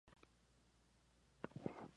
Ok, vamos a rodar!